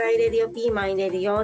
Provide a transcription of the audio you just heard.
ピーマン入れるよって。